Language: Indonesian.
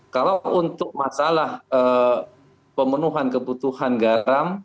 kalau untuk masalah pemenuhan kebutuhan garam